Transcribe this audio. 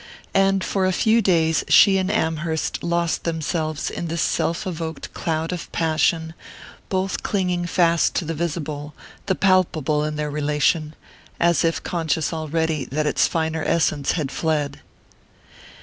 And for a few days she and Amherst lost themselves in this self evoked cloud of passion, both clinging fast to the visible, the palpable in their relation, as if conscious already that its finer essence had fled.